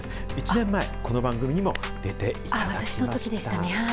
１年前、この番組にも出ていただきました。